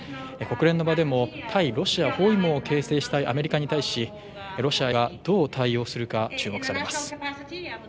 国連の場でも対ロシア包囲網を形成したいアメリカに対しロシアがどう対応するか注目されます。